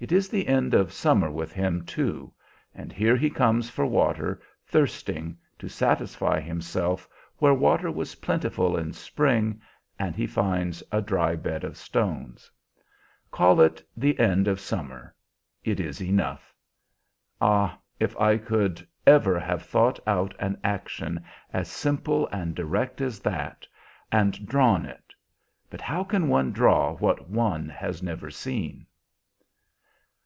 It is the end of summer with him, too; and here he comes for water, thirsting, to satisfy himself where water was plentiful in spring, and he finds a dry bed of stones. Call it The End of Summer; it is enough. Ah, if I could ever have thought out an action as simple and direct as that and drawn it! But how can one draw what one has never seen!"